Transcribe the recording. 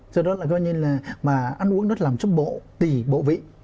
do đó là do như là ăn uống nó làm cho bộ tỷ bộ vị